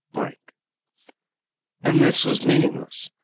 _ And this was meaningless!